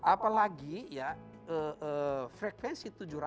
apalagi ya frekuensi tujuh ratus